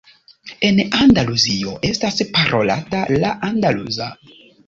En Andaluzio estas parolata la andaluza.